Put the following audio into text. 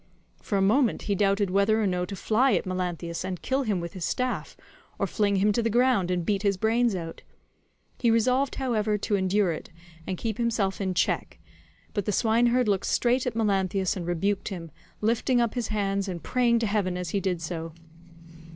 For a moment he doubted whether or no to fly at Melanthius and kill him with his staff, or fling him to the ground and beat his brains out; he resolved, however, to endure it and keep himself in check, but the swineherd looked straight at Melanthius and rebuked him, lifting up his hands and praying to heaven as he did so.